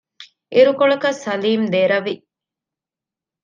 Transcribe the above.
އިރުކޮޅަކަށް ސަލީމް ދެރަވި